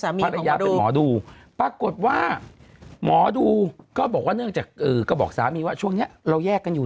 มัดูปรากฏว่าหมอดูก็บอกจะบอกสามีว่าเราแยกกันอยู่